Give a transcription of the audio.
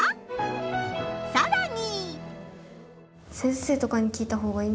さらに。